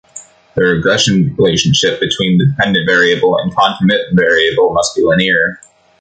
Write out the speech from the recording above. The regression relationship between the dependent variable and concomitant variables must be linear.